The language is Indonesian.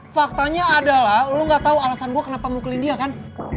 faktanya adalah lo ga tau alasan gue kenapa mukulin dia kan